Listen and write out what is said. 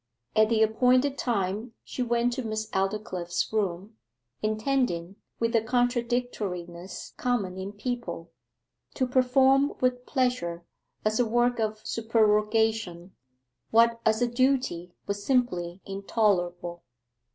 At the appointed time she went to Miss Aldclyffe's room, intending, with the contradictoriness common in people, to perform with pleasure, as a work of supererogation, what as a duty was simply intolerable.